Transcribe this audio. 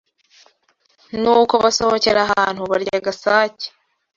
ni uko basohokera ahantu barya agasake